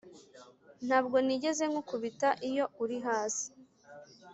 ntabwo nigeze ngukubita iyo uri hasi